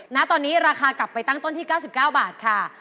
ณตอนนี้ราคากลับไปตั้งต้นที่๙๙บาทค่ะ